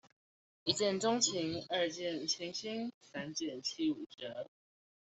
一見鐘情，二見傾心，三件七五折